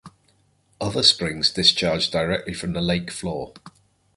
Other springs discharge directly from the lake floor.